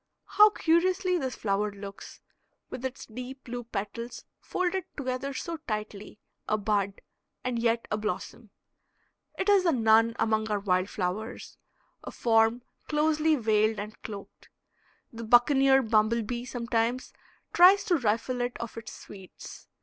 How curiously this flower looks, with its deep blue petals folded together so tightly a bud and yet a blossom. It is the nun among our wild flowers, a form closely veiled and cloaked. The buccaneer bumble bee sometimes tries to rifle it of its sweets.